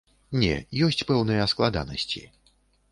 Не, ёсць пэўныя складанасці.